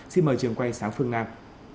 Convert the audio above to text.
xin mời trường quay sáng phương nam